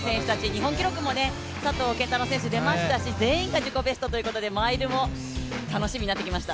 日本記録も佐藤拳太郎選手出ましたし、全員が自己ベストということで、マイルも楽しみになってきました。